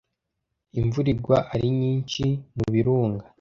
imvura igwa ari nyinshi mu birunga